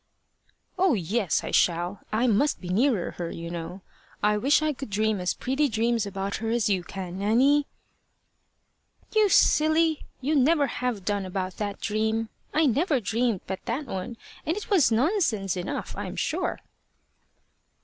"Oh, yes! I shall. I must be nearer her, you know. I wish I could dream as pretty dreams about her as you can, Nanny." "You silly! you never have done about that dream. I never dreamed but that one, and it was nonsense enough, I'm sure."